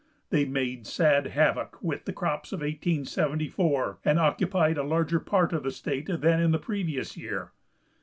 They made sad havoc with the crops of 1874, and occupied a larger part of the state than in the previous year.